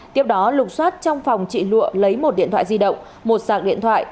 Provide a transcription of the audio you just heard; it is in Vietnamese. tiếp đó lục xoát trong phòng trị lụa lấy một điện thoại di động một sạc điện thoại